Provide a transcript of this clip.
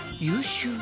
優秀！